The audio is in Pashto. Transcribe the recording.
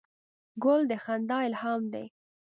ګل د خندا الهام دی.